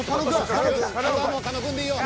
あとはもう狩野くんでいいよ。